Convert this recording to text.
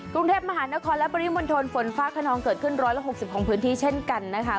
กรุงเทพมหานครและปริมณฑลฝนฟ้าขนองเกิดขึ้น๑๖๐ของพื้นที่เช่นกันนะคะ